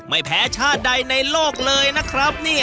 ไม่แพ้ชาติใดในโลกเลยนะครับเนี่ย